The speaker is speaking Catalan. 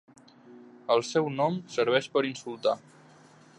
El seu nom serveix per insultar.